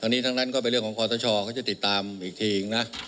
อันนี้ทั้งนั้นก็เป็นเรื่องของคอสชเขาจะติดตามอีกทีนะ